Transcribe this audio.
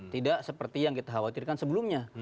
tidak seperti yang kita khawatirkan sebelumnya